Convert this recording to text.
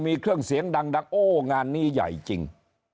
มีเครื่องเสียงดังโอ้งานนี้ใหญ่จริง